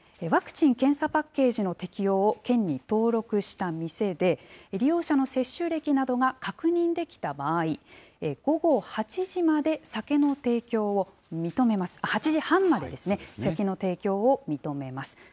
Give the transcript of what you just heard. ワクチン・検査パッケージの適用を県に登録した店で、利用者の接種歴などが確認できた場合、午後８時まで酒の提供を認めます、８時半までですね、酒の提供を認めます。